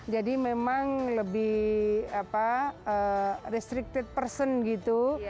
jadi memang lebih restricted person gitu